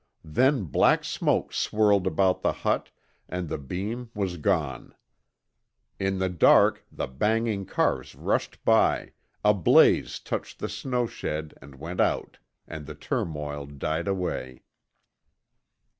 Then black smoke swirled about the hut and the beam was gone. In the dark, the banging cars rushed by, a blaze touched the snow shed and went out, and the turmoil died away.